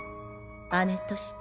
姉として。